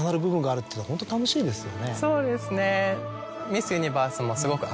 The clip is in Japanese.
そうですね。